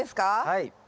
はい。